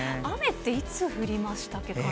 雨っていつ降りましたっけ？